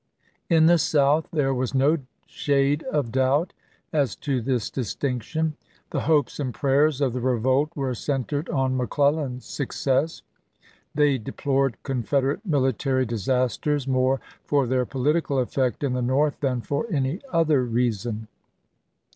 In the South there was no shade of doubt as to this distinction. The hopes and prayers of the revolt were centered on Mc Clellan's success. They deplored Confederate mili tary disasters more for their political effect in the North than for any other reason.